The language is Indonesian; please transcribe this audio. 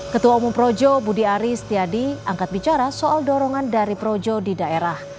ketua umum projo budi ari setiadi angkat bicara soal dorongan dari projo di daerah